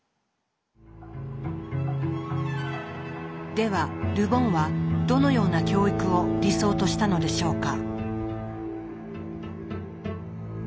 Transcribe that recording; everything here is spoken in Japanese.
ではル・ボンはどのような教育を理想としたのでしょうか？